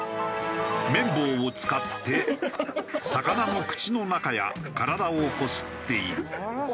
綿棒を使って魚の口の中や体をこすっている。